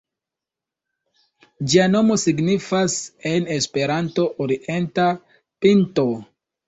Ĝia nomo signifas en Esperanto Orienta Pinto.